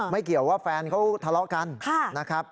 เกี่ยวว่าแฟนเขาทะเลาะกันนะครับ